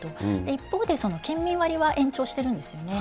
一方で、県民割は延長してるんですよね。